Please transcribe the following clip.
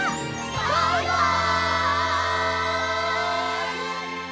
バイバイ！